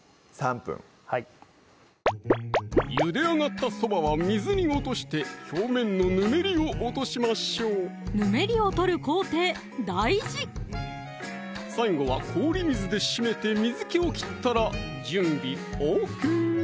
３分ゆで上がったそばは水に落として表面のぬめりを落としましょうぬめりを取る工程大事最後は氷水で締めて水気を切ったら準備ＯＫ